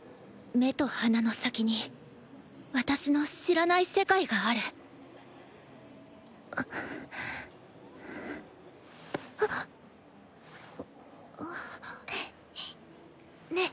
目と鼻の先に私の知らない世界があるねえ！